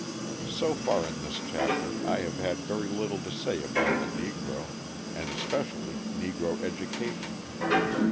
So far in this chapter I have had very little to say about the Negro, and especially Negro education.